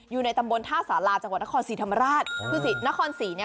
อยู่ในตำบลท่าสาลาจังหวัดนครสี่ธรรมราชคือสินครสี่เนี้ย